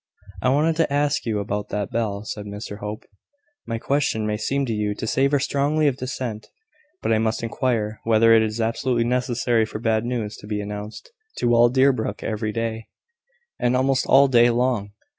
"I wanted to ask you about that bell," said Hope. "My question may seem to you to savour strongly of dissent; but I must inquire whether it is absolutely necessary for bad news to be announced to all Deerbrook every day, and almost all day long.